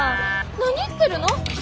何言ってるの？